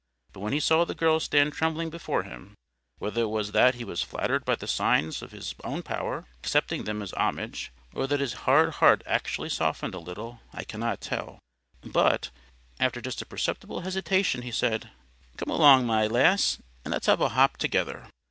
But when he saw the girl stand trembling before him, whether it was that he was flattered by the signs of his own power, accepting them as homage, or that his hard heart actually softened a little, I cannot tell, but, after just a perceptible hesitation, he said: "Come along, my lass, and let's have a hop together."